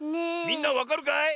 みんなわかるかい？